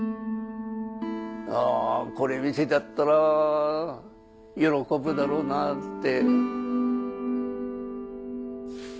これ見せてやったら喜ぶだろうなぁって。